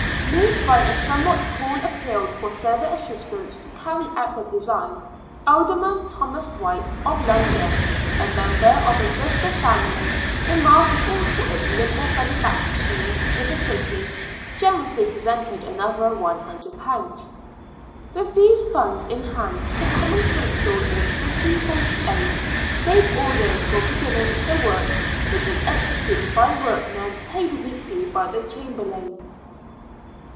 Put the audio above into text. Moved by a somewhat cool appeal for further assistance to carry out the design. Alderman Thomas White, of London, a member of a Bristol family remarkable for its liberal benefactions to the city, generously presented another £100. With these funds in hand, the Common Council, in 1548, gave orders for beginning the work, which was executed by workmen paid weekly by the Chamberlain.